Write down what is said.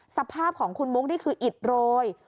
สภาพของคุณมุกนี่คืออิดโรย